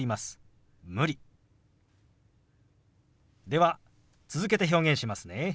では続けて表現しますね。